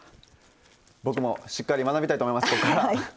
僕もしっかり学んでいきたいと思います。